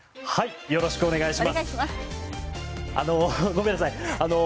よろしくお願いします。